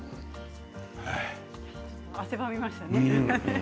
汗ばみましたね。